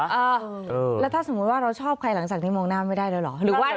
แล้วถ้าสมมุติว่าเราชอบใครหลังจากนี้มองหน้าไม่ได้แล้วเหรอ